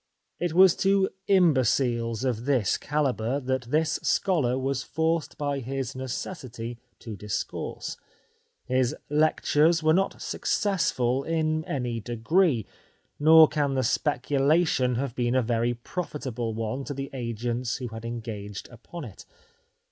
It was to imbeciles of this calibre that this scholar was forced by his necessity to discourse. His lectures were not successful in any degree, nor can the speculation have been a very pro fitable one to the agents who had engaged upon it.